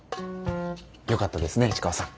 よかったですね市川さん。